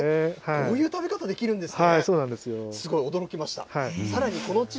こういう食べ方できるんですね。